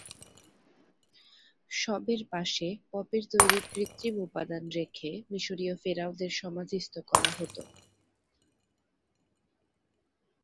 শবের পাশে পপির তৈরি কৃত্রিম উপাদান রেখে মিশরীয় ফেরাওদের সমাধিস্থ করা হতো।